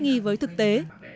nghĩ với thực tế